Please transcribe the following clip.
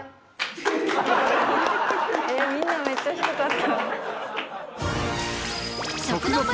みんなめっちゃ低かった。